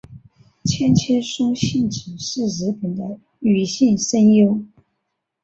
千千松幸子是日本的女性声优。